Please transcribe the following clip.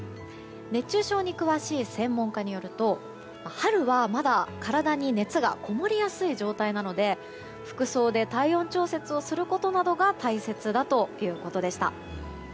熱中症に詳しい専門家によると春はまだ体に熱がこもりやすい状態なので服装で体温調節をすることなどが大切ということでした。